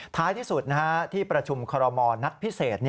ท้ายที่สุดที่ประชุมคอรมอลนัดพิเศษ